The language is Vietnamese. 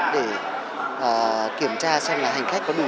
để kiểm tra xem là hành khách có đủ